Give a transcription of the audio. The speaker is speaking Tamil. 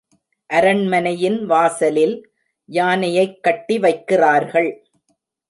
அரண்மனையின் வாசலில் யானையைக் கட்டி வைக்கி றார்கள்.